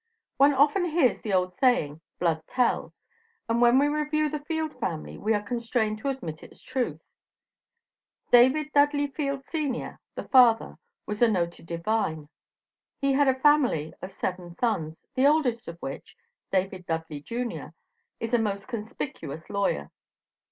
One often hears the old saying, "blood tells," and when we review the Field family we are constrained to admit its truth. David Dudly Field, Sr., the father, was a noted Divine. He had a family of seven sons, the oldest of which, David Dudly, Jr., is a most conspicuous lawyer.